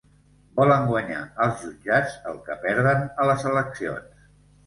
Volen guanyar als jutjats, el que perden a les eleccions.